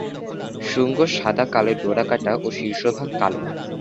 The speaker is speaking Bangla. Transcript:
শুঙ্গ সাদায়-কালোয় ডোরাকাটা ও শীর্ষভাগ কালো।